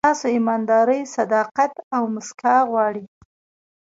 ستاسو ایمانداري، صداقت او موسکا غواړي.